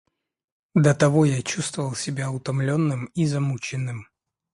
до того я чувствовал себя утомленным и замученным.